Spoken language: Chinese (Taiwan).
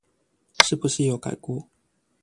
是不是有改過